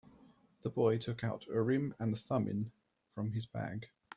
The boy took out Urim and Thummim from his bag.